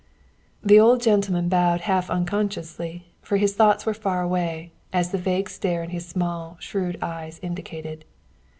The old gentleman bowed half unconsciously, for his thoughts were far away, as the vague stare in his small, shrewd eyes indicated.